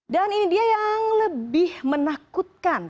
dan ini dia yang lebih menakutkan